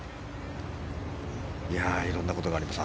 いや、いろんなことがあります。